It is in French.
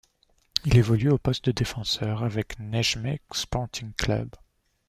Il évolue au poste de défenseur avec le Nejmeh Sporting Club.